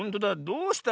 どうした？